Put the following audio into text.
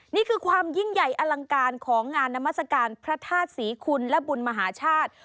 นี่คือความยิ่งใหญ่อลังการของงานนามัศกาลพระธาตุศรีคุณและบุญมหาชาติ